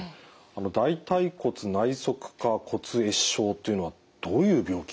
大腿骨内側顆骨壊死症というのはどういう病気になりますか？